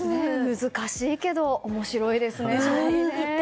難しいけど面白いですね、将棋って。